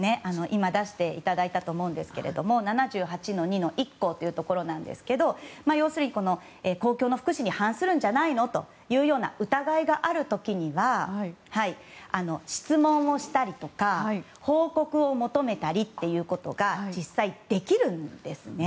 今、出していただいたと思うんですけど７８の２の１項ですけれども公共の福祉に反するんじゃないのという疑いがある時には質問をしたりとか報告を求めたりということが実際、できるんですね。